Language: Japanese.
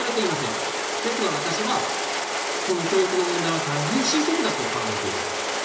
ですが私はこの教育の問題は大変深刻だと考えています。